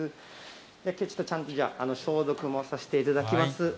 ちょっとちゃんとじゃあ、消毒もさせていただきます。